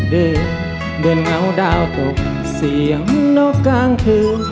เดินเงาดาวตกเสียงนกกลางคืน